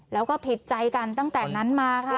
แล้วก็ผิดใจกันตั้งแต่นั้นมาค่ะ